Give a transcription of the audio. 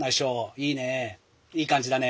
いい感じだね。